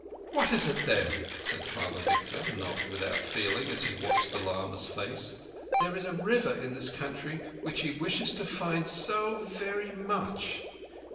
"What is it then?" said Father Victor, not without feeling, as he watched the lama's face. "There is a River in this country which he wishes to find so verree much.